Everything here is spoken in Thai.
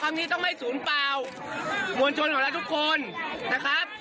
นี้ต้องให้ศูนย์เปล่ามวลชนของเราทุกคนนะครับ